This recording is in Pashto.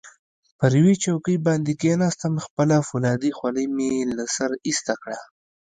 پر یوې چوکۍ باندې کښېناستم، خپله فولادي خولۍ مې له سره ایسته کړه.